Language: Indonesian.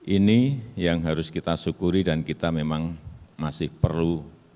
ini yang harus kita syukuri dan kita memang masih perlu